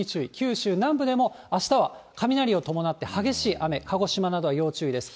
九州南部でもあしたは雷を伴って激しい雨、鹿児島など要注意です。